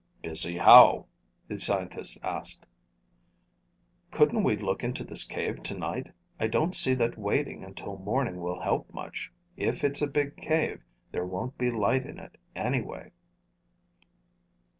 "Busy how?" the scientist asked. "Couldn't we look into this cave tonight? I don't see that waiting until morning will help much. If it's a big cave, there won't be light in it, anyway."